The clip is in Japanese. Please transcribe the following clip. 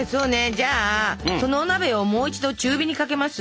じゃあそのお鍋をもう一度中火にかけます。